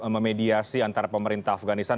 memediasi antara pemerintah afganistan